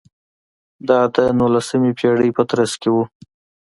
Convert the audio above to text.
دا د نولسمې پېړۍ په ترڅ کې و.